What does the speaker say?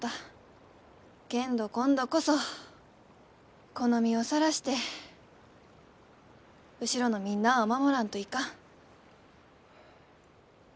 けんど今度こそこの身をさらして後ろのみんなあを守らんといかん。